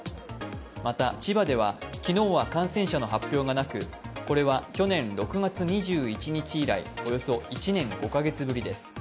また千葉では昨日は感染者の発表がなく、これは、去年６月２１日以来およそ１年５カ月ぶりです。